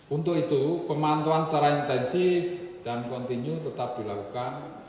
untuk itu pemantauan secara intensif dan kontinu tetap dilakukan